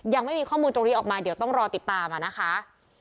ยังไม่มีข้อมูลตรงนี้ออกมาเดี๋ยวต้องรอติดตามนะคะ